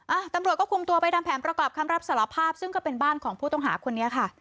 อ่ะตำรวจก็คุมตัวไปทำแผนประกอบคำรับสารภาพซึ่งก็เป็นบ้านของผู้ต้องหาคนนี้ค่ะ